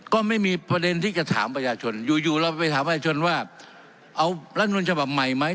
ก็ไม่มีประเด็นที่จะถามประชาชนอยู่อยู่เราไปถามประชาชนว่าเอารัฐมนุนฉบับใหม่ไหม